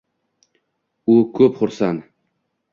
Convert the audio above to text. U ko’p xursand